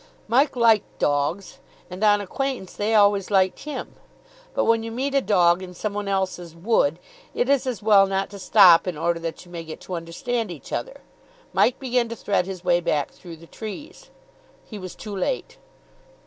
Mike liked dogs, and, on acquaintance, they always liked him. But when you meet a dog in some one else's wood, it is as well not to stop in order that you may get to understand each other. Mike began to thread his way back through the trees. He was too late.